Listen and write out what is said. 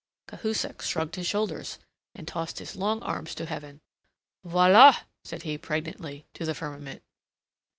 Cahusac shrugged his shoulders, and tossed his long arms to heaven. "Voila!" said he, pregnantly, to the firmament.